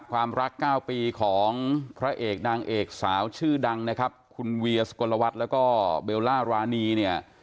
ความรัก๙ปีของพระเอกดังเอกสาวชื่อดังคุณเวียสกลวรรษและเบลล่าร้านี